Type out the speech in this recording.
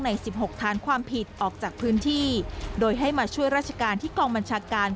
ใน๑๖ฐานความผิดออกจากพื้นที่โดยให้มาช่วยราชการที่กองบัญชาการ